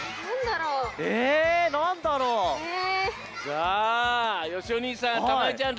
さあよしお兄さんたまよちゃん